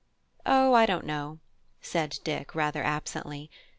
"O I don't know," said Dick, rather absently.